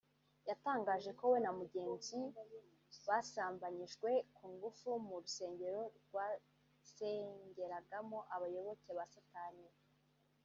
yatangaje ko we na mugenzi basambanyijwe ku ngufu mu rusengero rwasengeragamo abayoboke ba Satani